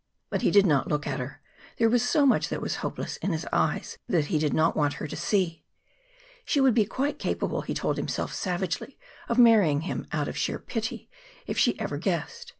But he did not look at her. There was so much that was hopeless in his eyes that he did not want her to see. She would be quite capable, he told himself savagely, of marrying him out of sheer pity if she ever guessed.